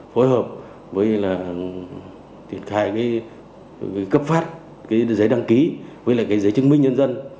phối hợp với là thiệt khai cái cấp phát cái giấy đăng ký với lại cái giấy chứng minh nhân dân